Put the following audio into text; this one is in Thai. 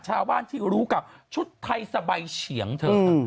ชาวบ้านที่รู้กับชุดไทยสบายเฉียงเธอ